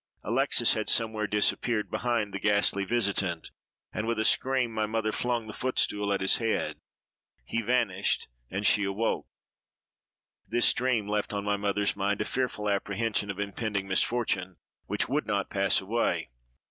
Alexes had somewhere disappeared behind the ghastly visitant; and, with a scream, my mother flung the footstool at his head. He vanished, and she awoke. "This dream left on my mother's mind a fearful apprehension of impending misfortune, 'which would not pass away.